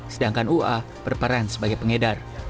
sedangkan ua berperan sebagai pengedar